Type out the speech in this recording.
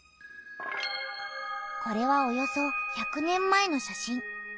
これはおよそ１００年前の写真。